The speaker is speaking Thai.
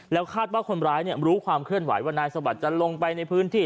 แล้วคาดว่าคนร้ายรู้ความเคลื่อนไหวว่านายสวัสดิ์จะลงไปในพื้นที่